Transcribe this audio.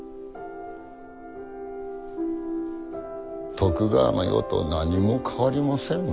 徳川の世と何も変わりませぬな。